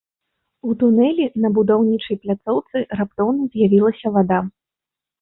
У тунэлі на будаўнічай пляцоўцы раптоўна з'явілася вада.